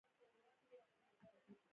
په ادبي اصلاحاتو